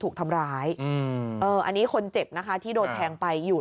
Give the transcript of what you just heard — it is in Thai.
ถูกทำร้ายอืมเอออันนี้คนเจ็บนะคะที่โดนแทงไปอยู่